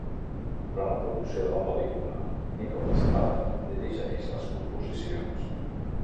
Durant la producció de la pel·lícula, Nicholas Dodd dirigeix les composicions.